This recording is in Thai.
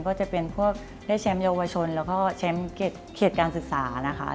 ก็จะเป็นพวกได้แชมป์เยาวชนแล้วก็แชมป์เขตการศึกษานะคะ